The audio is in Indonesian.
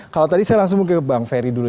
kalau tadi saya langsung mungkin ke bang ferry dulu